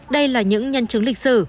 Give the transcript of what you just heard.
đây là những nhân chứng lịch sử